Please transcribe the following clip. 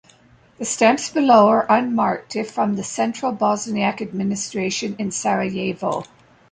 The stamps below are unmarked if from the central Bosniak administration in Sarajevo.